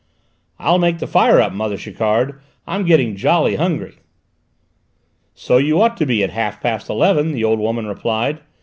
"I'll make the fire up, mother Chiquard; I'm getting jolly hungry." "So you ought to be, at half past eleven," the old woman replied.